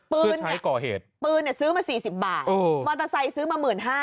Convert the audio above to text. ปืนใช้ก่อเหตุปืนเนี่ยซื้อมา๔๐บาทมอเตอร์ไซค์ซื้อมา๑๕๐๐